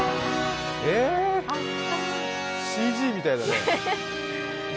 ＣＧみたいだね。